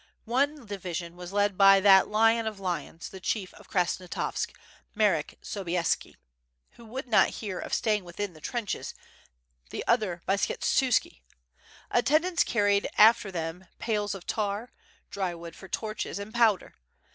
One division was led by that lion of lions, the Chief of Krasnostavsk, Marek, Sobieski, who would not hear of stay ing within the trenches; the other by Skshetuski. Attendants carried after them pails of tar, dry wood for torches, and powder.